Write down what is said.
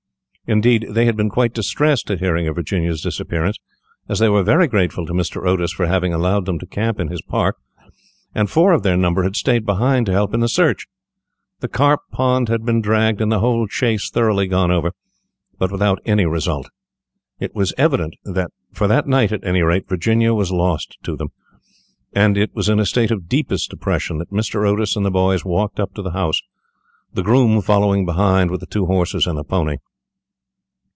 Indeed, they had been quite distressed at hearing of Virginia's disappearance, as they were very grateful to Mr. Otis for having allowed them to camp in his park, and four of their number had stayed behind to help in the search. The carp pond had been dragged, and the whole Chase thoroughly gone over, but without any result. It was evident that, for that night at any rate, Virginia was lost to them; and it was in a state of the deepest depression that Mr. Otis and the boys walked up to the house, the groom following behind with the two horses and the pony.